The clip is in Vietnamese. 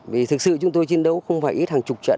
vì thực sự chúng tôi chiến đấu không phải ít hàng chục trận